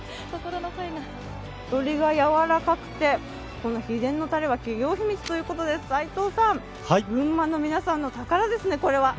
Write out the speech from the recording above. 鶏がやわらかくて、秘伝のたれは企業秘密ということで斎藤さん、群馬の皆さんの宝ですねこれは。